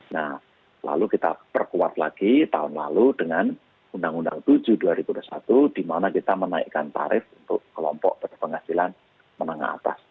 nah lalu kita perkuat lagi tahun lalu dengan undang undang tujuh dua ribu dua puluh satu di mana kita menaikkan tarif untuk kelompok berpenghasilan menengah atas